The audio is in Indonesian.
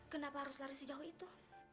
kenapa harus lari sejauh itu